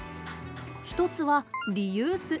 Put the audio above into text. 一つはリユース。